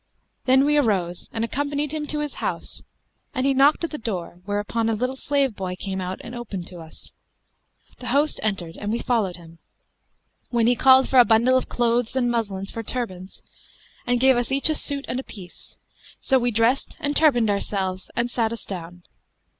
Then we arose and accompanied him to his house and he knocked at the door, whereupon a little slave boy came out and opened to us. The host entered and we followed him;[FN#214] when he called for a bundle of clothes and muslins for turbands, and gave us each a suit and a piece; so we dressed and turbanded ourselves and sat us down.